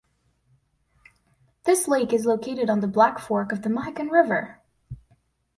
This lake is located on the Black Fork of the Mohican River.